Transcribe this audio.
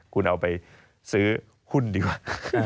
คุณเอาไปซื้อหุ้นดีกว่า